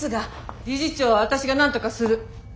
理事長は私がなんとかする。